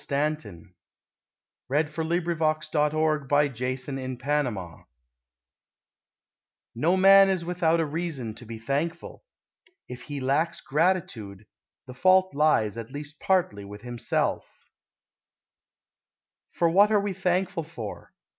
STANTON] A LITTLE THANKFUL SONG No man is without a reason to be thankful. If he lacks gratitude, the fault lies at least partly with himself. For what are we thankful for?